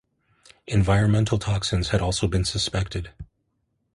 Environmental toxins had also been suspected.